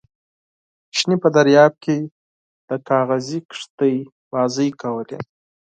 ماشوم په درياب کې د کاغذي کښتۍ لوبې کولې.